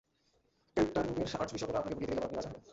ক্যান্টারবুরির archbishop ওটা আপনাকে পরিয়ে দিলেই কেবল আপনি রাজা হবেন।